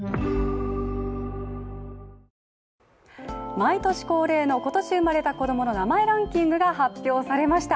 毎年恒例の今年生まれた子供の名前ランキングが発表されました。